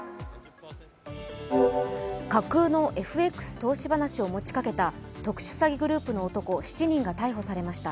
架空のＦＸ投資話を持ちかけた特殊詐欺グループの男７人が逮捕されました。